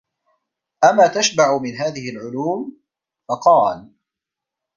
أَمَا تَشْبَعُ مِنْ هَذِهِ الْعُلُومِ ؟ فَقَالَ